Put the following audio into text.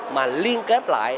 mà liên kết lại